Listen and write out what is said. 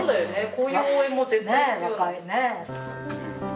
こういう応援も絶対必要だよね。